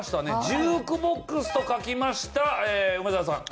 ジュークボックスと書きました梅沢さん。